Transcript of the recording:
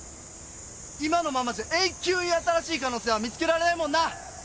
今のままじゃ永久に新しい可能性は見つけられないもんな！